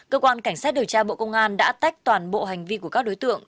cơ quan cảnh sát điều tra bộ công an đã tách toàn bộ hành vi của các đối tượng